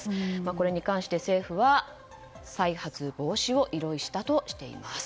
これに関して、政府は再発防止を依頼したとしています。